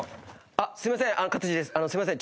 あっすいません。